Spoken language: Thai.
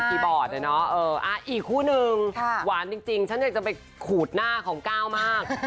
ขี่บอร์ดแบบนี้นะอีกคู่หนึ่งข่าวหวานจริงฉันอยากจะไปขูดหน้าของก้าวท์มาก